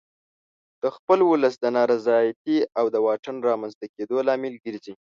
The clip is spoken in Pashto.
د خپل ولس د نارضایتي او د واټن رامنځته کېدو لامل ګرځي.